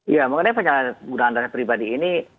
ya mengenai penyalahgunaan data pribadi ini